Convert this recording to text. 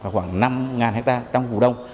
khoảng năm hectare trong vù đông